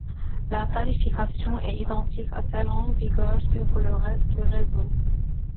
La tarification est identique à celle en vigueur sur le reste du réseau.